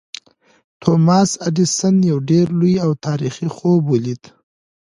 توماس ایډېسن یو ډېر لوی او تاریخي خوب ولید